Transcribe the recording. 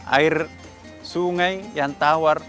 air sungai yang tawar